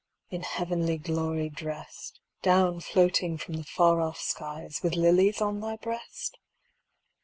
In heavenly glory dressed, Down floating from the far off skies, With lilies on thy breast